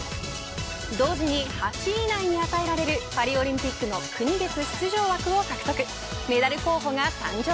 同時に８位以内に与えられるパリオリンピックの国別出場枠を獲得。